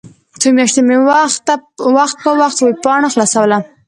څو میاشتې مې وخت په وخت ویبپاڼه خلاصوله.